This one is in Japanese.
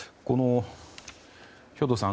兵頭さん